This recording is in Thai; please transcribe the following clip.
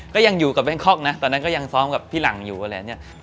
ก็ยังอยู่กับแบงคอกนะตอนนั้นก็ยังซ้อมกับพี่หลังอยู่อะไรเนี่ย